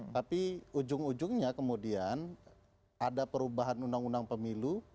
tapi ujung ujungnya kemudian ada perubahan undang undang pemilu